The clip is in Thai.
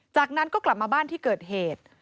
จากนั้นก็กลับมาบ้านที่เกิดเหตุ